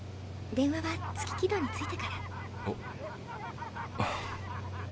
電話は月軌道に着いてから。